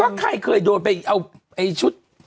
ก็ใครเคยโดนไปเอาไอ้ชุด